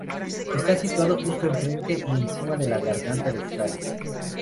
Está situado justo enfrente y encima de la garganta del Cares.